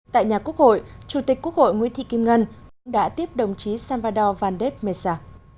tại nhà quốc hội chủ tịch quốc hội nguyễn thị kim ngân đã tiếp đồng chí salvador valdés mesa